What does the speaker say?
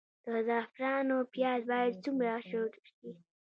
د زعفرانو پیاز باید څومره ژور وي؟